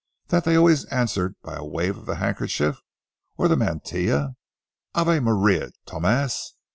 —that they always answered by a wave of the handkerchief, or the mantilla? Ave Maria, Tomas!